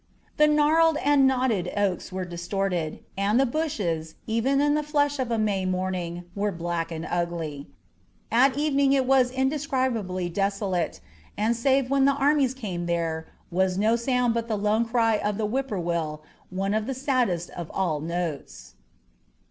The gnarled and knotted oaks were distorted and the bushes, even in the flush of a May morning, were black and ugly. At evening it was indescribably desolate, and save when the armies came there was no sound but the lone cry of the whip poor will, one of the saddest of all notes.